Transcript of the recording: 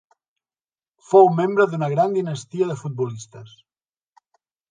Fou membre d'una gran dinastia de futbolistes.